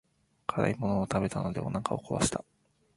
辛いものを食べたのでお腹を壊した。